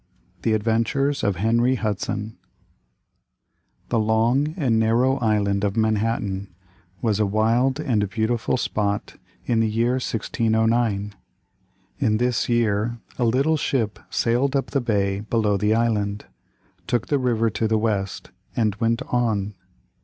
THE ADVENTURES of HENRY HUDSON The long and narrow Island of Manhattan was a wild and beautiful spot in the year 1609. In this year a little ship sailed up the bay below the island, took the river to the west, and went on.